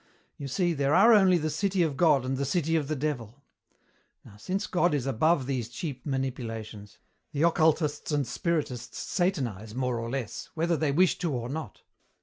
You see, there are only the City of God and the City of the Devil. Now, since God is above these cheap manipulations, the occultists and spiritists satanize more or less, whether they wish to or not."